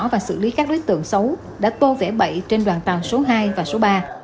và xử lý các đối tượng xấu đã tô vẽ bậy trên đoàn tàu số hai và số ba